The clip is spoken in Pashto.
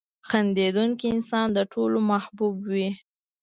• خندېدونکی انسان د ټولو محبوب وي.